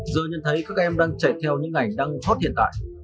giờ nhận thấy các em đang chạy theo những ngành đang hot hiện tại